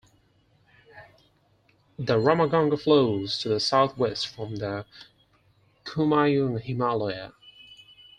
The Ramganga flows to the south west from the Kumaun Himalaya.